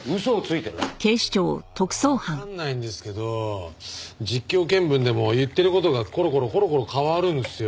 いやあわからないんですけど実況見分でも言ってる事がコロコロコロコロ変わるんですよ。